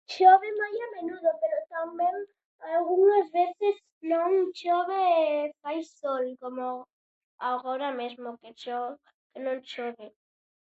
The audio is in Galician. Chove moi a menudo, pero tamén algunhas veces non chove e fai sol como ago- agora mesmo que cho- non chove.